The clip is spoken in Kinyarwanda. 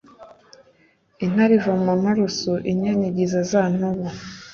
intare iva mu nturusu inyanyagiza za ntobo.